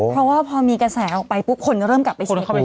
เพราะว่าพอมีกระแสออกไปปุ๊บคนก็เริ่มกลับไปกินเข้าไป